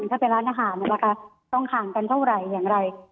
ถ้าเป็นร้านอาหารนะคะต้องห่างกันเท่าไหร่อย่างไร